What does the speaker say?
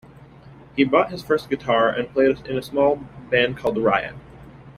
He bought his first guitar and played in a small band called "Riot".